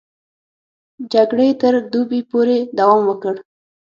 جګړې تر دوبي پورې دوام وکړ.